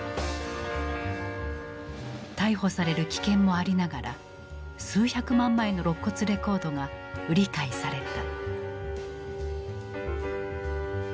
逮捕される危険もありながら数百万枚のろっ骨レコードが売り買いされた。